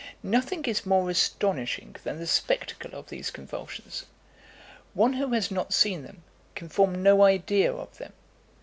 "Nothing is more astonishing than the spectacle of these convulsions. One who has not seen them can form no idea of them.